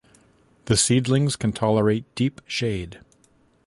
The seedlings can tolerate deep shade.